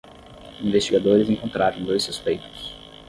Investigadores encontraram dois suspeitos